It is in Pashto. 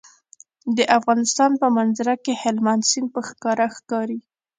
د افغانستان په منظره کې هلمند سیند په ښکاره ښکاري.